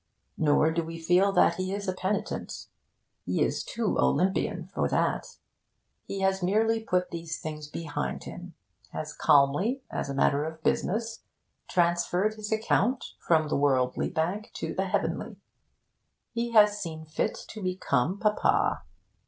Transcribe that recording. Nor do we feel that he is a penitent. He is too Olympian for that. He has merely put these things behind him has calmly, as a matter of business, transferred his account from the worldly bank to the heavenly. He has seen fit to become 'Papa.'